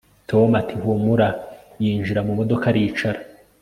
Tom ati humura yinjira mu modoka aricara